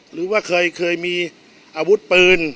หรือว่าเคยมีอาวุธปืน